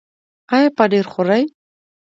ایا پنیر خورئ؟